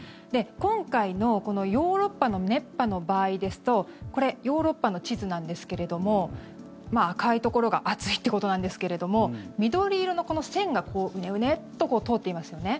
今回のヨーロッパの熱波の場合ですとこれヨーロッパの地図なんですけども赤いところが暑いということなんですけれども緑色の線がうねうねっと通っていますよね。